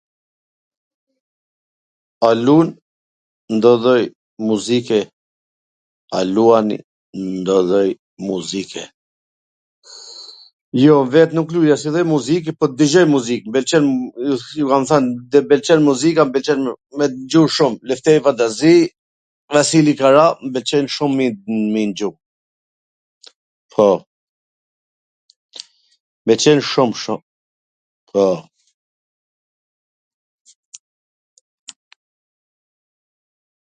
A lun ndo lloj muzike, a luani ndo lloj muzike? Jo, vet nuk luj asnjw lloj muzike, po dwgjoj muzik, m pwlqen, ju kam than, m pwlqen muzika, m pwlqen me dgju shum, Lefteri Pantazi, Vasili Kara, m pwlqejn shum m i ndgju, po, m pwlqen shum shum, po.